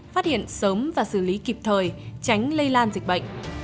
phát hiện sớm và xử lý kịp thời tránh lây lan dịch bệnh